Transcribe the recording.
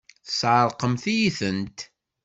Tesɛeṛqemt-iyi-tent!